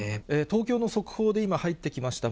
東京の速報で今、入ってきました。